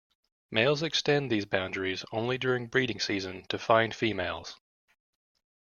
Males extend these boundaries only during breeding season, to find females.